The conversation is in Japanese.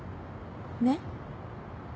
ねっ？